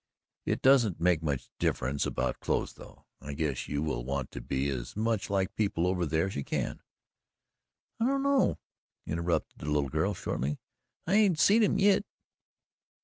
It doesn't make much difference about clothes, though, I guess you will want to be as much like people over here as you can " "I don't know," interrupted the little girl shortly, "I ain't seed 'em yit."